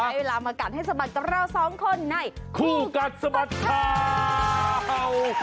เวลามากัดให้สะบัดกับเราสองคนในคู่กัดสะบัดข่าว